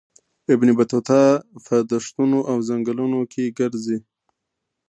ابن بطوطه په دښتونو او ځنګلونو کې ګرځي.